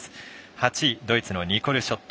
８位、ドイツのニコル・ショット。